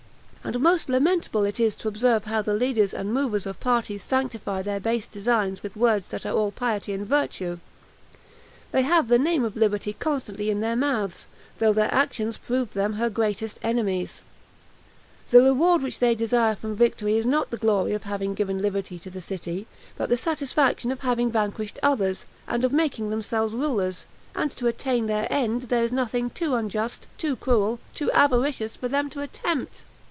And most lamentable is it to observe how the leaders and movers of parties sanctify their base designs with words that are all piety and virtue; they have the name of liberty constantly in their mouths, though their actions prove them her greatest enemies. The reward which they desire from victory is not the glory of having given liberty to the city, but the satisfaction of having vanquished others, and of making themselves rulers; and to attain their end, there is nothing too unjust, too cruel, too avaricious for them to attempt.